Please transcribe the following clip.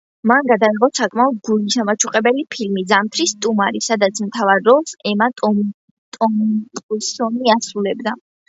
მან გადაიღო საკმაოდ გულისამაჩუყებელი ფილმი „ზამთრის სტუმარი“, სადაც მთავარ როლს ემა ტომპსონი ასრულებდა.